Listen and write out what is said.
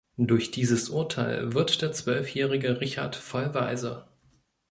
Durch dieses Urteil wird der zwölfjährige Richard Vollwaise.